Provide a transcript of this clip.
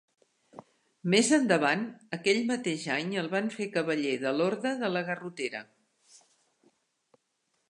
Més endavant aquell mateix any el van fer cavaller de l'Orde de la Garrotera.